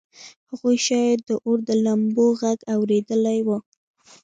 هغوی شاید د اور د لمبو غږ اورېدلی و